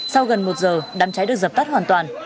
sau gần một giờ đám cháy được dập tắt hoàn toàn